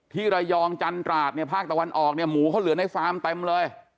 ที่ระยองจันตราดเนี่ยภาคตะวันออกเนี่ยหมูเขาเหลือในฟาร์มเต็มเลย